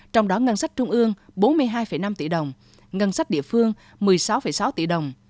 trong đó ngân sách trung ương bốn mươi hai năm tỷ đồng ngân sách địa phương một mươi sáu sáu tỷ đồng